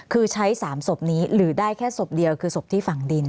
คือใช้๓ศพนี้หรือได้แค่ศพเดียวคือศพที่ฝังดิน